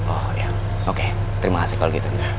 oh ya oke terima kasih kalau gitu